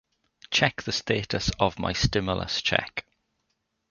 Check the status of my stimulus check